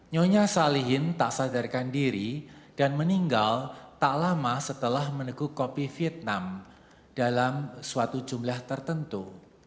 nyonya salihin tak sadarkan diri dan meninggal tak lama setelah meneguh kopi vietnam dalam suatu jumlah tertentu